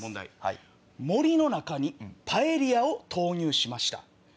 森の中にパエリアを投入しました。